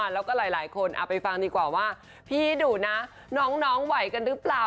แล้วก็หลายคนเอาไปฟังดีกว่าว่าพี่ดุนะน้องไหวกันหรือเปล่า